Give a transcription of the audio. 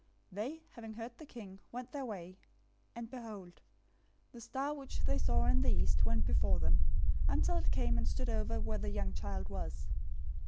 002:009 They, having heard the king, went their way; and behold, the star, which they saw in the east, went before them, until it came and stood over where the young child was.